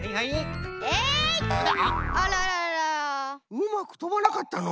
うまくとばなかったのう。